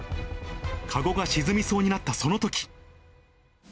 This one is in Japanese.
かごが沈みそうになったそのとき。